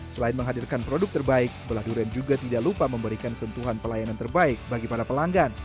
selain menghadirkan produk terbaik belah durian juga tidak lupa memberikan sentuhan pelayanan terbaik bagi para pelanggan